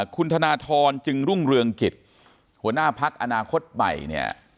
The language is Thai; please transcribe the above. คุณธนทรจึงรุ่งเรืองกิจหัวหน้าพักอนาคตใหม่